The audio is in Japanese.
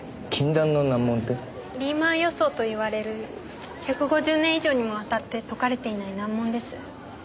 リーマン予想といわれる１５０年以上にもわたって解かれていない難問です。